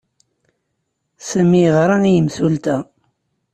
Sami yeɣra i yimsulta.